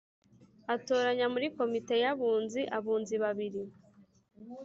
Atoranya muri komite y abunzi abunzi babiri